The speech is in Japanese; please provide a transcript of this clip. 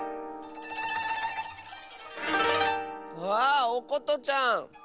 あおことちゃん！